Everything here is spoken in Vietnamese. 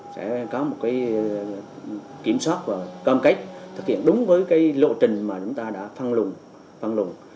sẽ có một kiểm soát và công cách thực hiện đúng với lộ trình mà chúng ta đã phân lùng